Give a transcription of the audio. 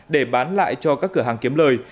để bán lại cho các cửa hàng kiếm lời